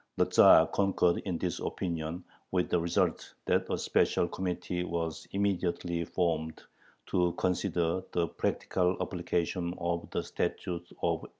The Tzar concurred in this opinion, with the result that a special committee was immediately formed to consider the practical application of the Statute of 1804.